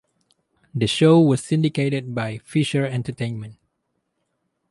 The show was syndicated by Fisher Entertainment.